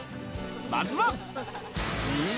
まずは。